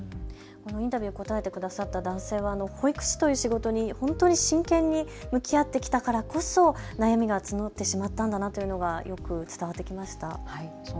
インタビューに答えてくださった男性は保育士という仕事に真剣に向き合ってきたからこそ悩みが募ってしまったというのがよく伝わってきました。